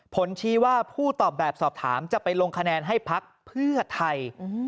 ผลชี้ว่าผู้ตอบแบบสอบถามจะไปลงคะแนนให้พักเพื่อไทย